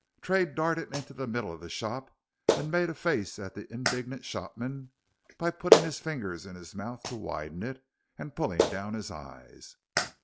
Tray darted into the middle of the shop and made a face at the indignant shopman by putting his fingers in his mouth to widen it, and pulling down his eyes.